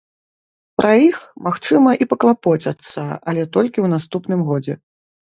Пра іх, магчыма, і паклапоцяцца, але толькі ў наступным годзе.